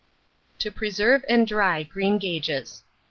TO PRESERVE AND DRY GREENGAGES.